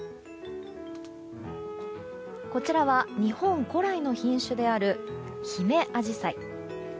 こちらは日本古来の品種であるヒメアジサイ。